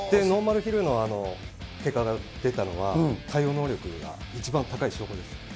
ノーマルヒルの結果が出たのは、対応能力が一番高い証拠です。